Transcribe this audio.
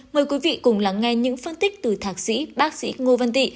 mời quý vị cùng lắng nghe những phân tích từ thạc sĩ bác sĩ ngô văn tị